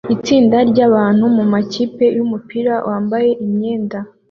Itsinda ryabantu mumakipe yumupira wambaye imyenda